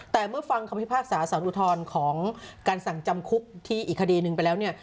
แต่เมื่อฟังคำพิพากษาศาลอุทรภารการศึกกันสารการสั่งจำคลุกที่อีกคดีหนึ่งไปแล้วเนี่ย